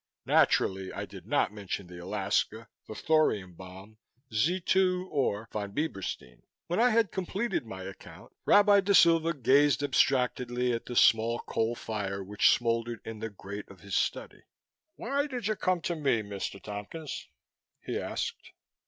Naturally, I did not mention the Alaska, the thorium bomb, Z 2 or Von Bieberstein. When I had completed my account, Rabbi Da Silva gazed abstractedly at the small coal fire which smouldered in the grate of his study. "Why did you come to me, Mr. Tompkins?" he asked.